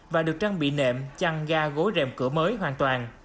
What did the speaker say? và được trang bị nệm chăn ga gối rèm cửa mới hoàn toàn